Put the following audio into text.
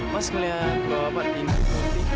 mas ngeliat bawa bak tinggi putih